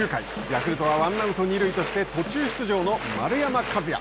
ヤクルトはワンアウト、二塁として途中出場の丸山和郁。